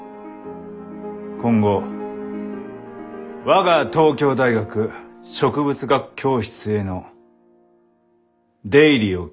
今後我が東京大学植物学教室への出入りを禁ずる。